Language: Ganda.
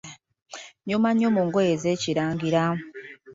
Onyuma nnyo mu ngoye ez’Ekirangira.